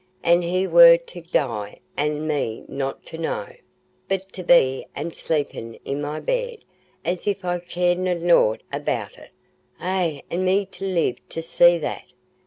An' he war to die an' me not to know, but to be a sleepin' i' my bed, as if I caredna nought about it. Eh! An' me to live to see that!